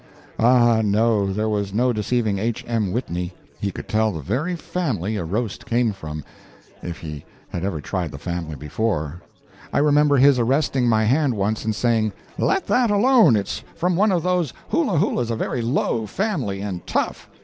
Ah, no, there was no deceiving H. M. Whitney. He could tell the very family a roast came from, if he had ever tried the family before. I remember his arresting my hand once and saying, "Let that alone—it's from one of those Hulahulas—a very low family—and tough."